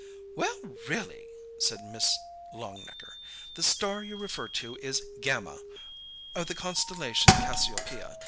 "Well, really!" said Miss Longnecker. "The star you refer to is Gamma, of the constellation Cassiopeia.